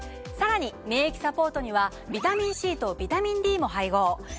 さらに免疫サポートにはビタミンＣとビタミンＤも配合。